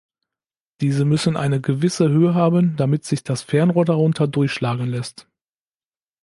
Diese müssen eine gewisse Höhe haben, damit sich das Fernrohr darunter durchschlagen lässt.